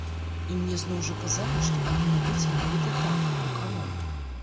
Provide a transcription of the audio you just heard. І мне зноў жа казалі, што павінна быць менавіта так, бо канон.